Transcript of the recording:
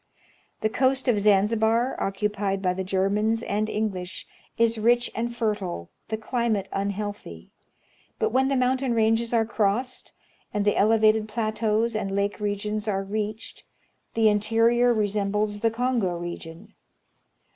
The coast of Zanzibar, occupied by the Germans and English, is rich and fertile, the climate unhealthy; but when the mountain ranges are crossed, and the elevated plateaus and lake regions are reached, the interior resembles the Kongo region.